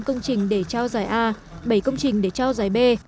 năm công trình để trao giải a bảy công trình để trao giải b